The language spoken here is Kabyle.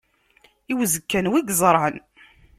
I uzekka anwa i yeẓran?